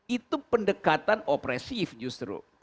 itu pendekatan opresif justru